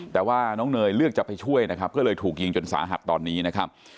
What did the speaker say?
แต่ว่าน้องเนยเลือกจะไปช่วยนะครับก็เลยถูกยิงจนสาหัสตอนนี้นะครับ